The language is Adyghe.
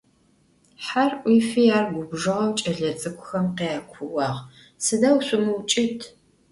Her 'uifi, ar gubjjığeu ç'elets'ık'uxem khyakuuağ: Sıdeu şsumıuç'ıt'.